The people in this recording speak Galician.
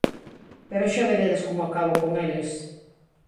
Pero xa veredes como acabo con eles.